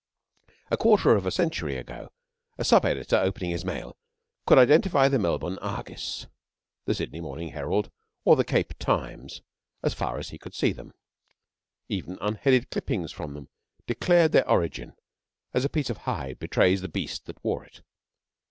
A quarter of a century ago a sub editor, opening his mail, could identify the Melbourne Argus, the Sydney Morning Herald, or the Cape Times as far as he could see them. Even unheaded clippings from them declared their origin as a piece of hide betrays the beast that wore it.